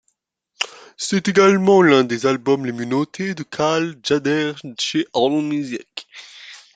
C'est également l'un des albums les mieux notés de Cal Tjader chez AllMusic.